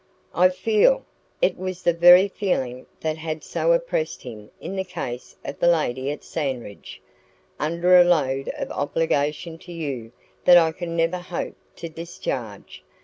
I feel" it was the very feeling that had so oppressed him in the case of the lady at Sandridge "under a load of obligation to you that I can never hope to discharge.